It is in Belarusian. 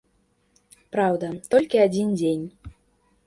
Праўда, толькі адзін дзень.